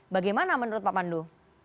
bagaimana menurut pak pandu